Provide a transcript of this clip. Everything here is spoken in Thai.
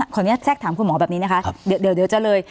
ขอแทรกถามคุณหมอแบบนี้นะครับเดี๋ยวจะเลย